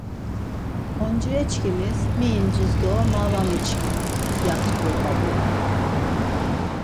Oncireçkimis mi incirs do ma var miçkin ya tku p̌ap̌uk.